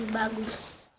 pengen lebih bagus